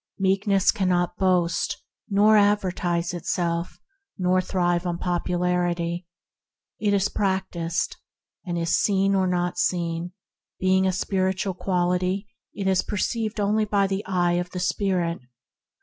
Meekness cannot boast, nor advertise itself, nor thrive on popularity. It is practised, and being a spiritual quality it is perceived only by the eye of the spirit.